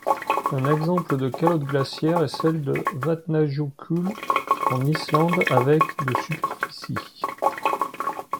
Un exemple de calotte glaciaire est celle de Vatnajökull en Islande avec de superficie.